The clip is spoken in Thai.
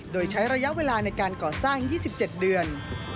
โดยใช้ระยะเวลาในการก่อสร้าง๒๗เดือน